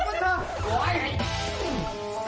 อื้อห่ามพวยเธอ